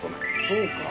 そうか。